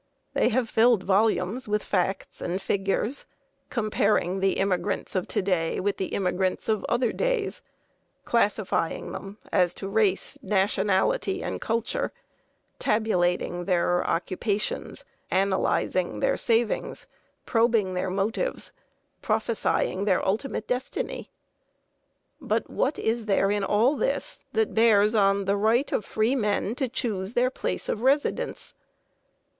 They have filled volumes with facts and figures, comparing the immigrants of to day with the immigrants of other days, classifying them as to race, nationality, and culture, tabulating their occupations, analyzing their savings, probing their motives, prophesying their ultimate destiny. But what is there in all this that bears on the right of free men to choose their place of residence?